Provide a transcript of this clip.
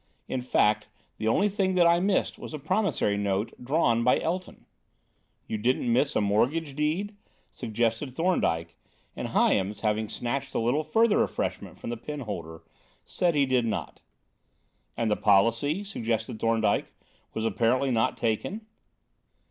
In fact, the only thing that I missed was a promissory note, drawn by Elton." "You didn't miss a mortgage deed?" suggested Thorndyke, and Hyams, having snatched a little further refreshment from the pen holder, said he did not. "And the policy," suggested Thorndyke, "was apparently not taken?"